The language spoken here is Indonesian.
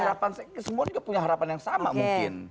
harapan saya semua juga punya harapan yang sama mungkin